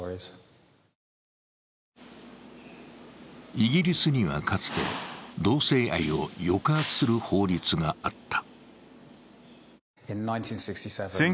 イギリスにはかつて同性愛を抑圧する法律があった。